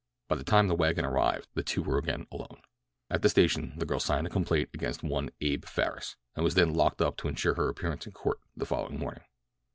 By the time the wagon arrived the two were again alone. At the station the girl signed a complaint against one Abe Farris, and was then locked up to insure her appearance in court the following morning.